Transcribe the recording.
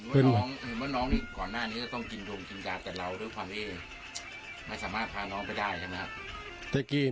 เมื่อน้องนี่ก่อนหน้านี้จะต้องกินยงกินยาแต่เราด้วยความที่ไม่สามารถพาน้องไปได้ใช่ไหมครับ